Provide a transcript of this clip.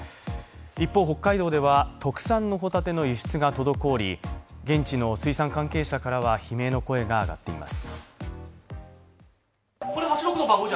一方、北海道では特産のホタテの輸出が滞り現地の水産関係者からは悲鳴の声が上がっています。